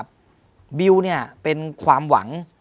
บิลล์เป็นความหวัง